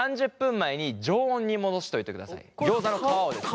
ギョーザの皮をですね。